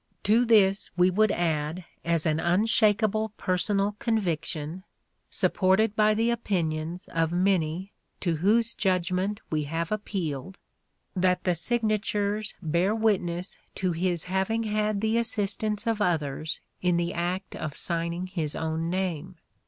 To this we would add as an unshakable personal conviction, supported by the opinions of many to whose judgement we have appealed, that the signatures bear witness to his having had the assistance of others in the act of signing his own name.